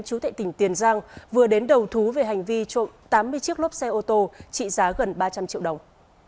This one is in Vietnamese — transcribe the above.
chú thệ tỉnh tiền giang vừa đến đầu thú về hành vi trộm tám mươi chiếc lốp xe ô tô trị giá gần ba trăm linh triệu đồng